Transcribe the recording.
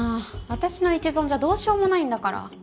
私の一存じゃどうしようもないんだから。